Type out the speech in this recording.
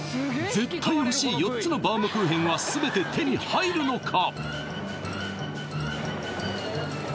絶対欲しい４つのバウムクーヘンはすべて手に入るのか？